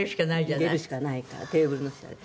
入れるしかないからテーブルの下で。